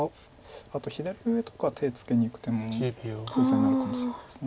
あと左上とか手つけにいく手もコウ材になるかもしれないです。